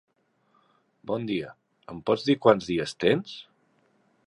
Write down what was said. Bon dia, em pots dir quants dies tens?